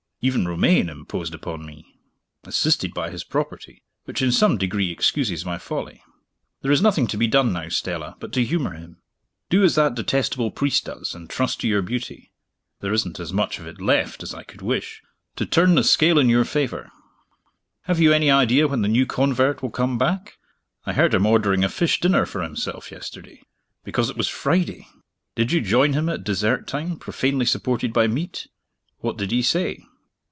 Even Romayne imposed upon me assisted by his property, which in some degree excuses my folly. There is nothing to be done now, Stella, but to humor him. Do as that detestable priest does, and trust to your beauty (there isn't as much of it left as I could wish) to turn the scale in your favor. Have you any idea when the new convert will come back? I heard him ordering a fish dinner for himself, yesterday because it was Friday. Did you join him at dessert time, profanely supported by meat? What did he say?"